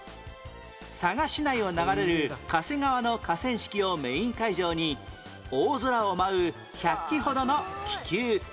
佐賀市内を流れる嘉瀬川の河川敷をメイン会場に大空を舞う１００機ほどの気球